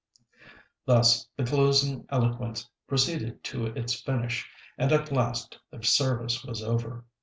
Thus the closing eloquence proceeded to its finish, and at last the service was over.